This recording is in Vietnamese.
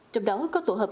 trong đó có tổ hợp